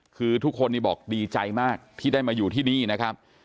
คือทุกคนบอกดีใจมากที่ได้มาอยู่ที่นี่นะครับ